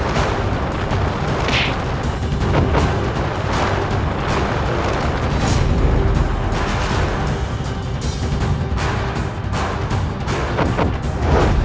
ketika california sebagai negara baru